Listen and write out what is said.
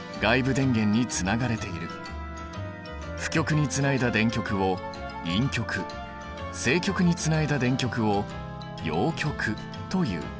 負極につないだ電極を陰極正極につないだ電極を陽極という。